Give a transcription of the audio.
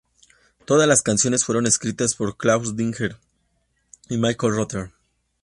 Todas las canciones fueron escritas por Klaus Dinger y Michael Rother.